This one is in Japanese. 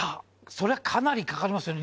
それはかなりかかりますよね。